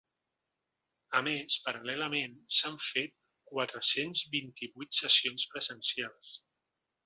A més, paral·lelament s’han fet quatre-cents vint-i-vuit sessions presencials.